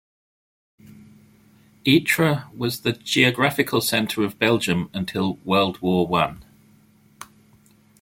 Ittre was the geographical center of Belgium until World War One.